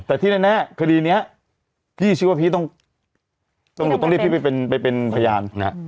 แต่ที่แน่คดีเนี้ยพี่ชื่อว่าพี่ต้องต้องเรียกพี่ไปเป็นพยาน